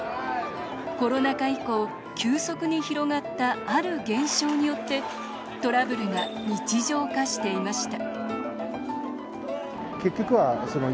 コロナ禍以降、急速に広がったある現象によってトラブルが日常化していました。